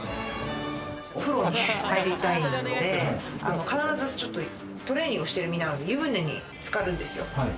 お風呂に入りたいんで、必ずちょっとトレーニングをしている身なので湯船に浸かるんですよ。